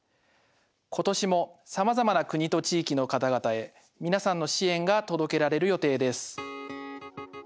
ことしも、さまざま国と地域の方々へ、皆さんの支援が届けられる予定です。